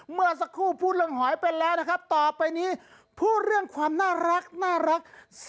เมื่อสักครู่พูดเรื่องหอยเป็นแล้วนะครับต่อไปนี้พูดเรื่องความน่ารัก